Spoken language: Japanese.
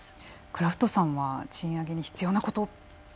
クラフトさんは賃上げに必要なこと。